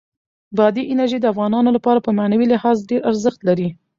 بادي انرژي د افغانانو لپاره په معنوي لحاظ ډېر ارزښت لري.